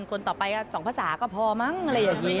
คนต่อไป๒ภาษาก็พอมั้งอะไรอย่างนี้